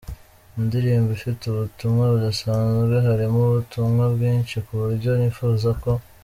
indirimbo ifite ubutumwa budasanzwe, harimo ubutumwa bwinshi kuburyo nifuza ko.